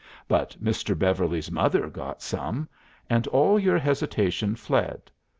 But Mr. Beverly's mother got some, and all your hesitation fled.